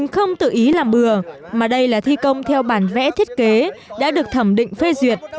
không tự ý làm bừa mà đây là thi công theo bản vẽ thiết kế đã được thẩm định phê duyệt